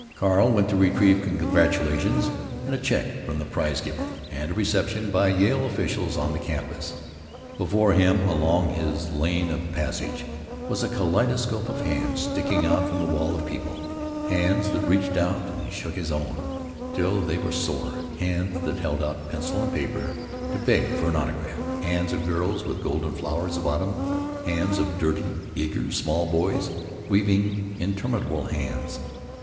Carl went to receive congratulations—and a check—from the prize giver, and a reception by Yale officials on the campus. Before him, along his lane of passage, was a kaleidoscope of hands sticking out from the wall of people—hands that reached out and shook his own till they were sore, hands that held out pencil and paper to beg for an autograph, hands of girls with golden flowers of autumn, hands of dirty, eager, small boys—weaving, interminable hands.